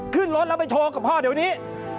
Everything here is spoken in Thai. ขึ้นรถแล้วไปโชว์กับพ่อเดี๋ยวนี้